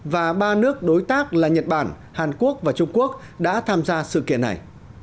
và ba nước đối tác là nhật bản hàn quốc và trung quốc đã tham gia sự kiện này